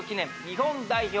日本代表